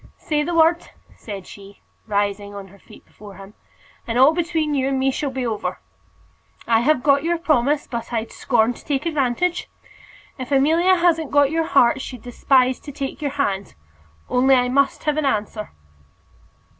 "Say the word," said she, rising on her feet before him, "and all between you and me shall be over. I have got your promise, but I'd scorn to take advantage. If Amelia hasn't got your heart, she'd despise to take your hand. Only I must have an answer."